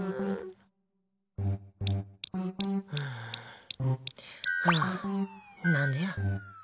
あ。はあ、何でや。